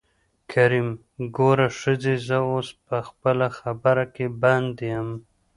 کريم : ګوره ښځې زه اوس په خپله خبره کې بند يم.